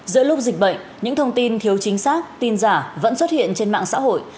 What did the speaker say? giữa lúc dịch bệnh những thông tin thiếu chính xác tin giả vẫn xuất hiện trên mạng xã hội